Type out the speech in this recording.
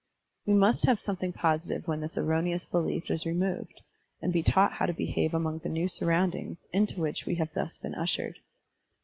We must have something positive when this erroneous belief is removed and be taught how to behave among the new surrotmd ings into which we have thus been ushered..